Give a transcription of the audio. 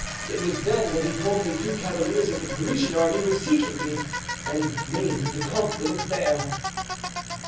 It was then that he told me two cavaliers of the Parisian army were seeking me and named the Comte de la Fere."